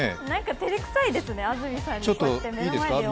照れくさいですね、安住さんに目の前で読まれると。